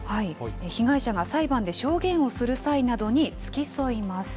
被害者が裁判で証言をする際などに付き添います。